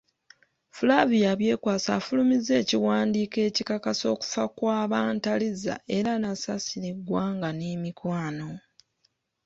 Flavia Byekwaso afulumizaawo ekiwandiiko ekikakasa okufa kwa Bantariza era n'asaasira eggwanga n'emikwano.